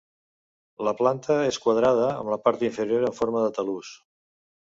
La planta és quadrada amb la part inferior en forma de talús.